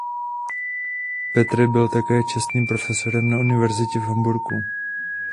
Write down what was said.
Petri byl také čestným profesorem na Universitě v Hamburku.